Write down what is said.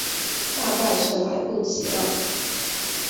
大概是来不及了